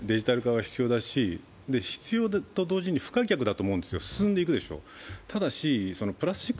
確かにね、デジタル化は必要だし、必要だと同時に不可逆だと思うんですよ、進んでいくでしょう？